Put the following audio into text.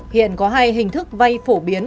hiện có hai hình thức vay phổ biến